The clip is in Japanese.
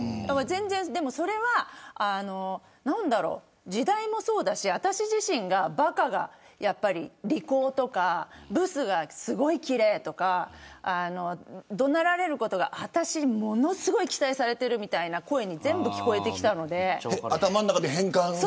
それは時代もそうだし、私自身がばかが利口とかブスがすごい奇麗とか怒鳴られることが、私ものすごい期待されているみたいな声に全部聞こえてきたので。